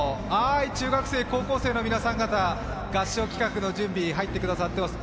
中学生、高校生の皆さん方、合唱企画の準備に入ってくださっています。